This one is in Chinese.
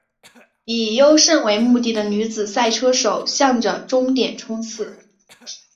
以优胜为目标的女子赛车手向着终点冲刺！